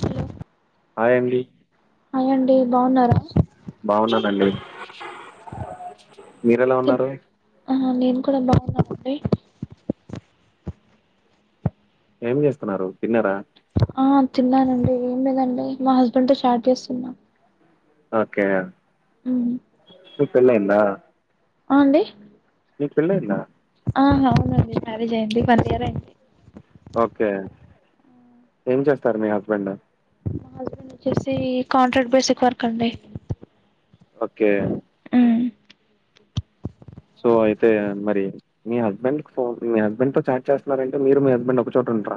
Hello hi అండి hi అండి బాగున్నారా బాగున్నానండి మీరెలా ఉన్నారు అహా నేన్ కూడా బావున్నానండి ఏం చేస్తున్నారు తిన్నరా ఆ తిన్నానండి ఏం లేదండి మా హస్బెండ్ తో చాట్ చేస్తున్నా ఓకే హ్మ్ చుక్ పెళ్లైందా అ అండి నీక్ పెళ్ళైందా ఆ అవున్నండి మ్యారేజ్ అయింది వన్ ఇయర్ అయింది ఓకే ఏం చేస్తారు మీ హస్బెండ్ మా హస్బెండ్ వచ్చేసి కాంట్రాక్ట్ బేసిక్ వర్క్ అండి ఓకే ఉమ్ సో అయితేన్ మరి మీ హస్బెండ్ ఫోన్ మీ హస్బెడ్ తొ ఛాట్ చేస్తున్నారంటే మీరు మీ హస్బండ్ ఒక్చోట ఉండ్రా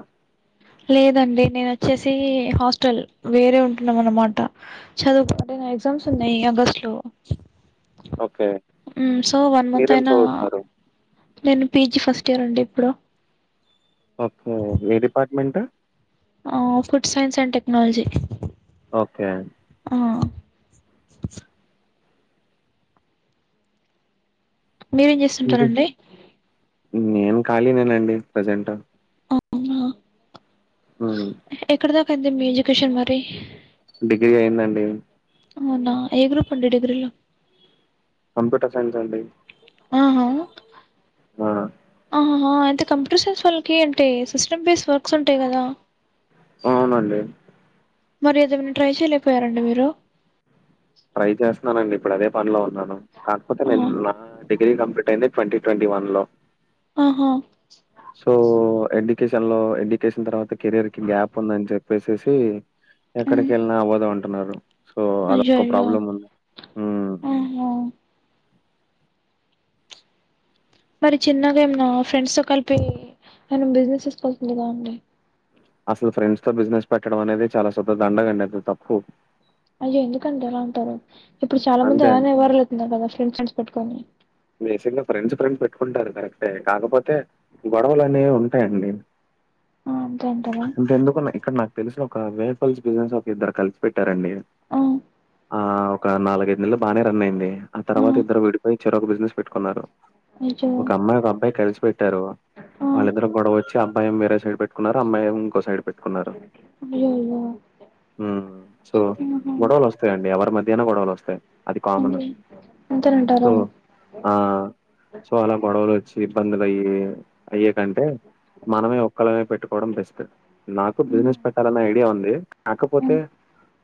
లేదండి నేన్ వచ్చేసి హాస్టల్ వేరే ఉంటున్నాం అన్మాట చదువ్ అంటే నా ఎగ్జామ్స్ ఉన్నయ్ అగస్ట్ లో okay hmm so one month మీరేం అయినా చదువుతున్నారు నేన్ పీజీ ఫస్ట్ ఇయర్ అండి ఇప్పుడు ఒకే ఏ డిపార్ట్మెంట్ ఆ food science and technology okay ఆ మీరేం చేస్తుంటారండి నేన్ ఖాలీ నేనండి ప్రజెంట్ అవునా ఉమ్ ఎక్కడ దాకఅయింది మీ ఎడ్యుకేషన్ మరి డిగ్రీ అయిందండి అవునా ఏ గ్రూప్ అండి డిగ్రీలో కంప్యూటర్ సైన్స్ అండి ఆహా ఆ ఆహా అయితే కంప్యూటర్ సైన్స్ వాళ్ళకి అంటే సిస్టమ్ బేస్డ్ వర్క్స్ ఉంటయి కదా అవునండి మరి ఏదేనా ట్రై చేయలేకపోయారండి మీరు ట్రై చేస్తాన్నానండి ఇప్పుడు అదే పనిలో ఉన్నాను కాకపోతే నేను నా డిగ్రీ కప్లీట్ అయింది ట్వంటీ ట్వంటీ వన్ లో ఆహా సో ఎడ్యుకేషన్లో ఎడ్యుకేషన్ తర్వాత కెరయర్కి గ్యాప్ ఉందని చెప్పేసేసి మ్ ఎక్కడికి ఎల్నా ఓదాం అంటున్నారు సో అయ్యో అదొక ప్రాబ్లం ఉంది ఊమ్ ఆ మరి చిన్నగా ఏమన్నా ఫ్రెండ్స్తో కలిపి ఏమన్న బిజినెస్ చేస్కోవాల్సిందిగా అండి అసలు ఫ్రెండ్స్తో బిజినెస్ పెట్టడం అనేది చాలా సుద్ద దండగండి అది తప్పు అయ్యో ఎందుకండి అలా అంటారు ఇప్పుడు చాలా అంతే మంది అండి. అలానే ఎవ్వారాలు ఎస్తున్నారు కదా ఫ్రెండ్స్ ఫ్రెండ్స్ పెట్టుకొని భేసింగ్గ ఫ్రెండ్స్ ఫ్రెండ్స్ పెట్టుకుంటారు కరెక్టే కాకపోతే గొడవలు అనేవి ఉంటాయండి ఆ అంతే అంటారా అంత ఎందుకు నాకు ఇక్కడ నాకు తెలిసిన ఒక మేపల్స్ బిజినెస్ ఒక ఇద్దరు కలిసి పెట్టారండి ఆ ఆ ఒక నాలుగైఐదు నెల్లు బానే రన్ అయింది ఆ తర్వాత ఇద్దరు విడిపోయి చెరొక్క బిజి నెస్ పెట్టుకున్నారు అయ్యో ఒక అమ్మాయి ఒక అబ్బాయి కలిసి పెట్ టారు ఆ వాళ్ళిద్దరు గొడవొచ్చి అబ్బయేం వేరే సైడ్ పెట్టున్నారు అమ్మాయేం ఇంకో సైడ్ పెట్ కున్నారు అయ్యయ్యో ఉం సో ఆహా గొడవలు వ స్తాయండి ఎవరి మధ్యైన గొడవలు వస్తాయి అయ్యో అంతేనంటారా ఆ సో అలా గొడవలు ఒచ్చి ఇబ్బందులు అయి అయ్యే కంటే మనమే ఒక్కలమే పెట్టుకోవడం బెస్ట్ నాకు బిజినెస్ పెట్టాలన్న ఐడియా ఉంది కాకపోతే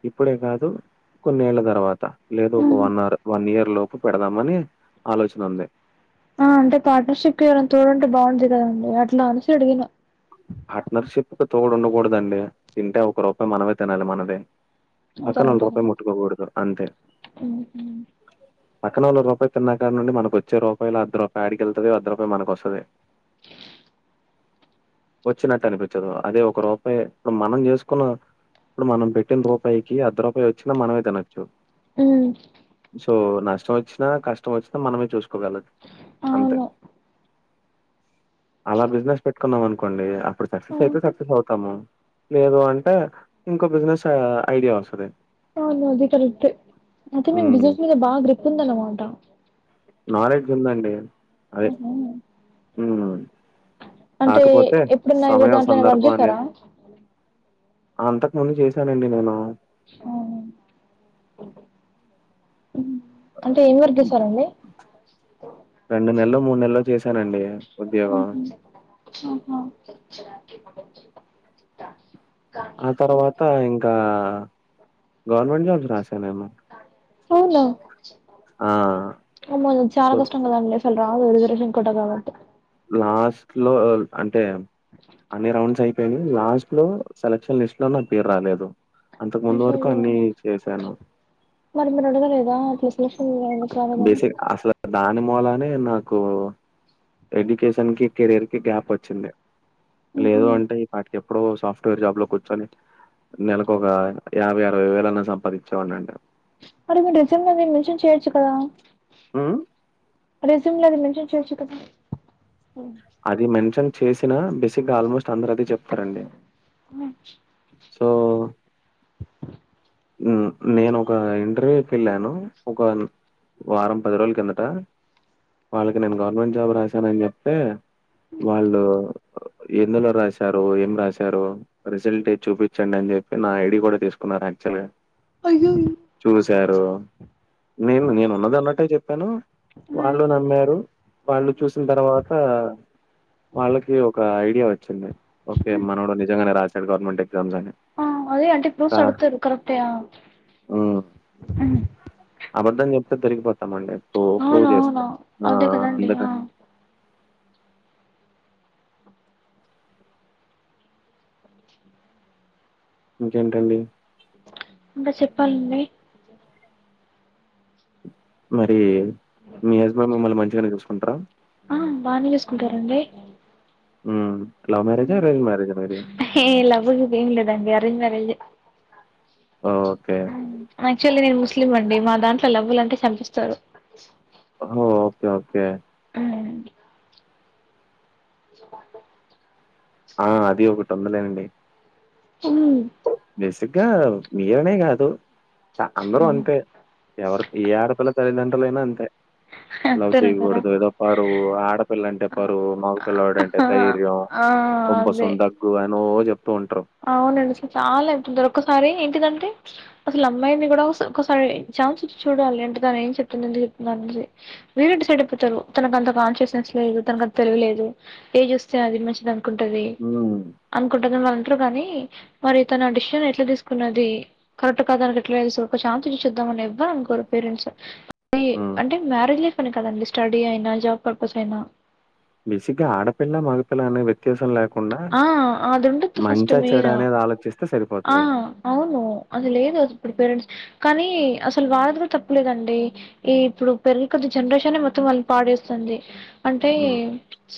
ఇప్పుడే కాదు కొన్నేళ్ల తర్వాత లేదా ఒక వన్ అర్ వన్ ఇయర్ లోపు పెడదామని ఆలోచన ఉంది ఆ అంటే పార్ట్నర్ షిప్ ఎవరైనా తోడంటే బాగుంటది కదండి అట్లా అనేసి అడిగిన పార్ట్నర్ షిప్కి తోడు ఉండకూడదండి తింటే ఒక రూపాయి మనమే తినాలి మనదే పక్కనోల్లది అంతేనంటారా రూపాయి ముట్టుకోకూడదు అంతే పక్కనోళ్ళ రూపాయి తిన్నకానుండి మనకొచ్చే రూపాయిల అర్ద రూపాయి ఆడిఅర్ద రూపాయి మంకొస్తది వచ్చినట్టు అనిపిచ్చదు అదే ఒక రూపాయి ఇప్పుడు మనం చేసుకున్న ఇప్పుడు మనం పెట్టిన రూపాయికి అర్ధ రూపాయి వచ్చినా మనమే తినొచ్చు ఉం సో నష్టం ఒచ్చినా కష్టం ఒచ్చినా మనమే చూసుకోగలం అంతే అవును అలా బిజినెస్ పెట్టుకున్నాం అనుకోండి అప్పుడు సక్సెస్ అయితే సక్సెస్ అవుతాము లేదు అంటే ఇంకో బిజినెస్ ఐడియా వస్తది అవును అది కరెక్టే అయితే ఉం మీకు బిజినెస్ బాగా గ్రిప్ ఉందనమాట నాలెడ్జ్ ఉందండి అది ఊమ్ అంటే కాకపోతే ఎప్పుడున్నా ఎవరి సమయం దాంట్లోనే వర్క్ సందర్భం చేసారా అనేది అంతకుముందు చేశానండి నేను ఉమ్ అంటే ఏం వర్క్ చేసారండి రెండు నెల్లో మూడు నెల్లో చేశానండి ఉద్యోగం ఆహా [inaudible] ఆ తర్వాత ఇంకా గవర్నమెంట్ జాబ్స్ రాసానేమో అవునా ఆ అమ్మో చాలా సో కష్టం కదండీ అసలు రాదు రిజర్వేషన్ కోట కాబట్టి లాస్ట్ లో అంటే అన్ని రౌండ్స్ అయి నేను లాస్ట్ లో సెలక్షన్ లిస్ట్ లో నా పేరు రాలేదు అంతకు ముందు వరకు అయ్యయ్యో అన్ని చేశాను మరి మీరు అడగలేదా ఆ లిస్ట్ లో సెలెక్షన్ ఎందుకు రాలేదని బేసిక్ అసలు దాని మూలానే నాకు ఎడ్యుకేషన్ కి కెరీయర్ కి గ్యాప్ వచ్చింది ఉహు లేదు అంటే ఈపాటికి ఎప్పుడో సాప్ట్ వేర్ జాబ్ లో కూర్చుని నెలకు ఒక యాభై అరవై వేలన్నా సంపాదించేవాని అండి మరి మీరు రెస్యూమ్ లో అది మెన్షన్ చేయొచ్చు కదా హ్మ్. రెస్యూమ్ లో అది మెన్షన్ చేయొచ్చు కదా అది మెన్షన్ చేసిన బేసిగ్గా ఆల్మోస్ట్ అందరు అదే చెప్తారండి హ్మ్. సో నేనొక ఇంటర్వ్యూకి వెళ్ళాను ఒక వారం పది రోజుల కిందట వాళ్ళకి నేను గవర్నమెంట్ జాబ్ రాశానని చెప్తే వాళ్ళు ఎందులో రాశారు ఏం రాశారూ రిజల్ట్ ఏ చూపించండి అని చెప్పి నా ఐడి కూడా తీసుకున్నారు యాక్చువల్ గా అయ్యయ్యో చూశారు నేను నేను ఉన్నదే ఉన్నట్టే చెప్పాను హ్మ్. వాళ్ళు నమ్మారు వాళ్ళు చూసిన తర్వాత వాళ్ళకి ఒక ఐడియా వచ్చింది వచ్చింది ఓకే మనోడు నిజంగానే రాశాడు గవర్నమెంట్ ఎగ్జామ్స్ అన్ని ఆ అదే అంటే ఫ్రూప్స్ అడుగుతారు కరెక్టే ఆ హ్మ్ హు అబద్ధం చెప్తే దొరికిపోతామండి ప్రూ ప్రూవ్ అవును చేస్తే అవును ఆ అదే కదండి ఆ అందుకని ఇంకేంటండి ఇంకా చెప్పాలండి మరి మీ హస్బెండ్ మిమ్మల్ని మంచిగానే చూసుకుంటారా ఆ బాగానే చేసుకుంటా రండి హమ్ లవ్ మ్యారేజ్ ఆ ఆరెంజ్ మ్యారేజ్ ఆ మరి హే లవ్ గివ్వు ఏం లేదండి అరేంజ్ మరేజ్ ఏ అ ఓకే ఉమ్ యాక్చువల్లీగా నేను ముస్లిం అండి మా దాంట్లో లవ్వులు అంటే చంపేస్తారు ఓ ఓకే ఓకే ఉమ్ [inaudible] ఆ అది ఒకటి ఉందిలెండి అ [unintelligible] బేసిగ్గా మీరనే కాదు చ అందరూ అంతే ఎవరు ఏ ఆడపిల్ల తల్లిదండ్రులైనా అంతే లవ్ అంతేనంటారా చేయకూడదు ఏదో పరువు ఆడపిల్ల అంటే పరువు మగపిల్లాడు అంటే ధైర్యం ఆ అదే ఉబ్బసం దగ్గు అని వో చెప్తూ ఉంటారు అవునండి అసలు చాలా అయితుంది ఒక్కసారి ఏంటిదంటే అసలు అమ్మాయిని కూడా ఒకసారి ఛాన్స్ ఇచ్చి చూడాలి అంటే తను ఏం చెప్తుంది ఏందుకు చెప్తుందో అనేసి వీళ్ళే డిసైడ్ అయిపోతారు తనకు అంత కాన్సియస్నెస్ లేదు తనకు అంత తెలివి లేదు ఏది చూస్తే అది మంచిదని అనుకుంటాది ఉమ్ అనుకుంటది వాళ్ళ ఇంట్లో కానీ మరి తన డిసిషన్ తీసుకున్నది కరెక్ట్ కాదని తనకి ఎట్లా తెలుసు ఒక ఛాన్స్ ఇచ్చి చూద్దాం అని ఎవ్వరు అనుకోరు పేరెంట్స్ ఉమ్. అంటే మ్యారేజ్ లైఫ్ అని కాదండి స్టడీ అయినా జాబ్ పర్పస్ అయినా బేసిగ్గా ఆడపిల్లా మగాపిల్ల అనేది వ్యత్యాసం లేకుండా ఆ అది ఉండొద్దు ఫస్ట్ మంచా మెయిన్ చెడా అనేది ఆలోచిస్తే ఆ సరిపోతాది అవును అది లేదు ఇప్పుడు పేరెంట్స్ కానీ అసలు వాల్దీ కూడా తప్పు లేదండి ఈ ఇప్పుడు పెరిగేకొద్ది జనరేషన్ నే మొత్తం వాళ్ళని పాడు చేస్తుంది అంటే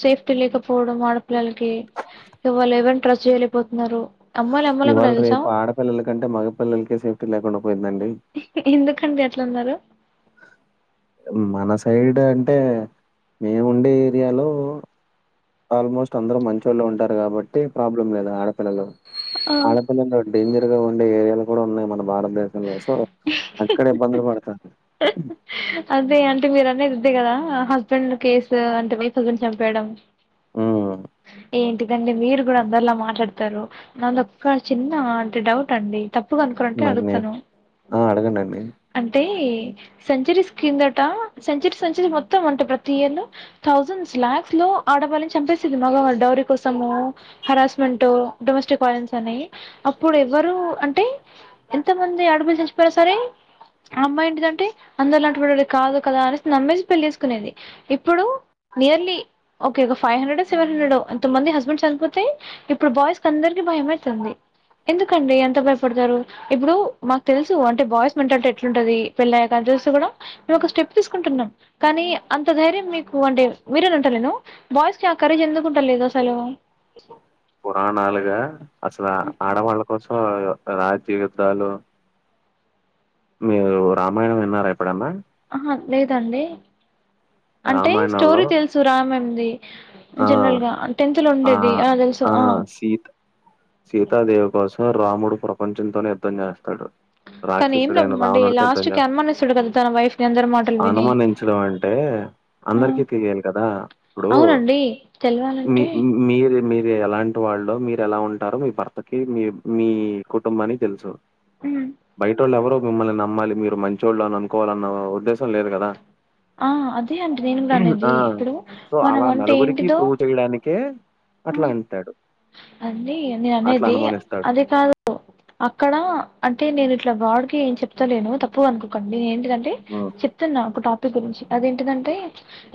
సేఫ్టీ లేకపోవడం ఆడపిల్లలకి ఇవాళ ఎవ్వల్ని ట్రస్ట్ చేయలేం పోతున్నారు ఇవాళ రేపు ఆడపిల్లల కంటే మగ పిల్లలకే సేఫ్టీ లేకుండా పోయింది అండి ఎందుకండి అట్లాన్నారు మన సైడ్ అంటే మేము ఉండే ఏరియాలో ఆల్మోస్ట్ అందరు మంచోళ్ళే ఉంటారు కాబట్టి ప్రాబ్లం లేదు ఆడపిల్లలు ఆ ఆడపిల్లల తోటి డేంజర్ గా ఉండే ఏరియాలు కూడా ఉన్నాయి మన భారతదేశంలో సో అక్కడ ఇబ్బందులు పడతారు అదే అంటే మీరు అనేది ఇద్దే కదా హస్బెండ్ కేసు అంటే వైఫ్ హస్బెండ్ చంపేయడం ఉను ఎంటిదండీ మీరు కూడా అందరిలా మాట్లాడతారు నాది ఒక్క చిన్న అంటే డౌట్ అండి తప్పుగా అనుకోనంటే మరి నేను అడుగుతాను ఆ అడగండండి అంటే సెంచరీస్ కిందట సెంచరీ సెంచరీ మొత్తం అంటే ప్రతి ఇయర్ లో థౌసండ్స్ లాక్స్ లో ఆడవాళ్ళని చంపేస్తూ డౌరీ కోసమో హరెస్మెంట్ డొమెస్టిక్ వైలెన్స్ అనీ అప్పుడు ఎవ్వరు అంటే ఎంత మంది అడ్మిషన్స్ కి పోయినా సరే ఆ అమ్మాయి ఏంటిదంటే అందరు లాంటి వాడు కాదు కదా అనేసి నమ్మేసి పెళ్లి చేసుకునేది ఇప్పుడు నియర్ లీ ఒకే ఒక ఫైవ్ హండ్రెడ్ సెవెన్ హండ్రెడో ఇంత మంది హస్బెండ్స్ చనిపోతే ఇప్పుడు బాయ్స్ కి అందరికి భయం అయితుంది ఎందుకండి అంత భయపడతారు ఇప్పుడు మాకు తెలుసు అంటే బాయ్స్ మెంటాలిటీ ఎట్లుంటాది పెళ్ళయ్యాక అది తెలిస్తే కూడా ఒక స్టెప్ తీసుకుంటున్నాం కానీ అంత ధైర్యం మీకు అంటే మీరని అంట లేను బాయ్స్ చా రేజ్ ఎందుకుంటాలేదు అసలు పురాణాలుగా అసలు ఆడవాళ్ళ కోసం రాజ్యయుద్ధాలు మీరు రామాయణం విన్నారా ఎప్పుడన్న ఆహా లేదండి అంటే రామాయణంలో స్టోరీ తెలుసు రామాయణం ది ఆ జనరల్ గా టెన్త్ లో ఉండేది ఆ తెలుసు ఆ సీతాదేవి కోసం రాముడు ప్రపంచంతోనే యుద్ధం చేస్తాడు కానీ ఏం రాక్షసుడైన లాభం అండి రావణుడితో యుద్ధం లాస్ట్‌కి చేస్తాడు అనుమానిస్తాడు కదా తన వైఫ్‌ని అందరి మాటలు విని. అనుమానించడం అంటే ఆ! అందరికి తెలియాలి కదా ఇప్పుడూ అవునండి మీ తెలవాలంటే మి మీరు మీరు ఎలాంటి వాళ్ళో మీరు ఎలా ఉంటారో మీ భర్తకి మీ మీ కుటుంబానికి తెలుసు హ్మ్. బయటొళ్ళు ఎవరు మిమ్మల్ని నమ్మాలి మీరు మంచొళ్ళు అని అనుకోవాలన్న ఉద్దేశం లేదు కదా ఆ అదే అండి నేను కూడా అనేది ఇప్పుడు మనం అంటే ఏంటి ఈ ప్రూవ్ చేయడానికే అట్లా అంటాడు అండి నేను అట్లా అనేది అనుమానిస్తాడు అది కాదు అక్కడ అంటే నేను ఇట్లా బాడ్ గాఏం చెప్తలేను తప్పుగా అనుకోండి నేను హ్మ్ [unintelligible] చెప్తున్న ఒక టాపిక్ గురించి అదేంటిదంటే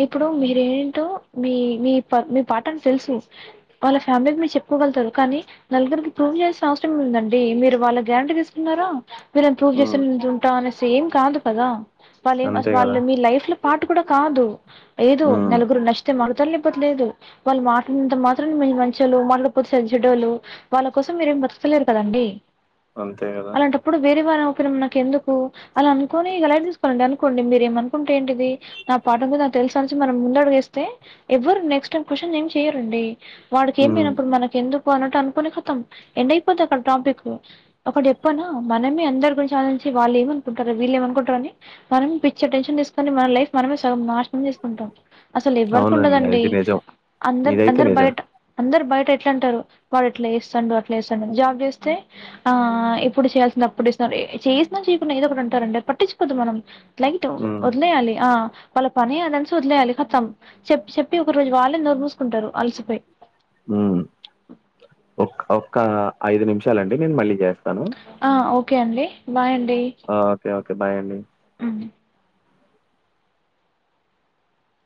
ఇప్పుడు మీరేంటో మీ మీ మీ పార్ట్నర్కి తెలుసు వాళ్ళ ఫ్యామిలీకి మీరు చెప్పుకోగలుతారు కానీ నలుగురికి ప్రూవ్ చేయాల్సిన అవసరం ఏమి ఉంది అండి మీరు వాళ్ళ గ్యారంటీ తీసుకున్నార [unintelligible] ప్రూవ్ హ్మ్ చేస్తేంటాం అని ఏం కాదు కదా వాళ్ళు ఏం అంతే కదా వాళ్ళు మీ లైఫ్ లో పార్ట్ కూడ కాదు ఏదో హ్మ్ నలుగురు [unintelligible] చెప్పట్లేదు వాళ్ల మాటలు వింటే మాత్రం మీవి మంచిగా లేవు మాట్లాడకపోతే సరిజేటోళ్లు వాళ్ళ కోసం మీరేం బతుకుతలేదు కదండి అంతే గదా ఇప్పుడు వేరే వాళ్ళ అవసరం నాకు ఎందుకు అలా అనుకొని ఇగ లైట్ తీసుకోవాలండి అనుకోండి మీరేం కుంటే ఏంటిది నా పాఠ ఏందో నాకు తెలుసు అనిసి మనం ముందు అడుగు వేస్తే ఎవ్వరు నెక్స్ట్ టైం [unintelligible] స్షన్ ఏం చెయ్యరండి వాడికి హ్మ్ ఎమిలేనప్పుడు మనకు ఎందుకు అన్నట్టు అనుకుని ఖతం ఎండ్ అయిపోది అక్కడ టాపిక్ ఒకటి చెప్పనా మనమే అందరి గురించి ఆలో చీ వాళ్ళు ఏమనుకుంటారు వీళ్ళే ఏమనుకుంటారు అని మనం పిచ్చ టెన్షన్ తీసు కానీ మన లైఫ్ మనమే సగం నాశనం చేసుకుంటాం అసలు ఎవ్వరికి అవునండి ఉండదండి అది నిజం అందర్ ఇదైతే అందరు నిజం బయట అందరు బయట ఎట్ల అంటారు వాడు ఇట్ల చేస్తాండు అట్లా చేస్తాండు జాబ్ జేస్తే ఆ ఎప్పుడు చేయాల్సింది అప్పుడు ఇస్తున్నారు చేసినా చేయకున్న ఏదో ఒకటి అంటారు అండి అది పట్టించుకోద్దు మనం లైట్ హ్మ్ వదిలేయాలి ఆ వాళ్ళ పనిఅదేనిసి వదిలేయాలి కతం చెప్ప చెప్పి ఒక రోజు వాళ్ళే నోరు మూసుకుంటారు అలసిపోయి హు హు ఓక్ ఒక్క ఐదు నిమిషాలండి నేను మళ్ళీ చేస్తాను ఆ ఒకే అండి బాయ్ అండి ఆ ఒకే ఒకే బాయ్ అండి అ